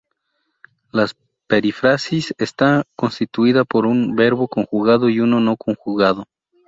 La perífrasis está constituida por un verbo conjugado y uno no conjugado.